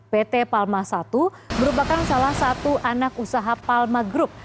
pt palma i merupakan salah satu anak usaha palma group